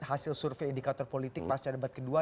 hasil survei indikator politik pasca debat kedua